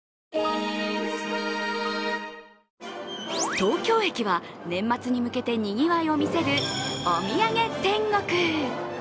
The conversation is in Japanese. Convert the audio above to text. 東京駅は年末に向けて賑わいを見せるお土産天国。